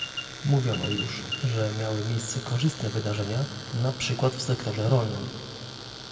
Mówiono już, że miały miejsce korzystne wydarzenia, na przykład w sektorze rolnym